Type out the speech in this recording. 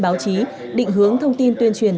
báo chí định hướng thông tin tuyên truyền